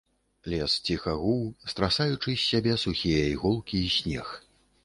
Лес ціха гуў, страсаючы з сябе сухія іголкі і снег.